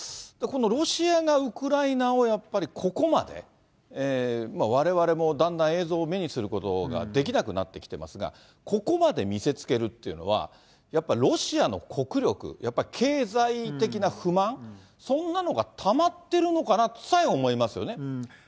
このロシアがウクライナをやっぱりここまで、われわれもだんだん、映像を目にすることができなくなってきてますが、ここまで見せつけるっていうのは、やっぱりロシアの国力、やっぱり経済的な不満、そんなのがたまってるのかなとさえ思いますよね。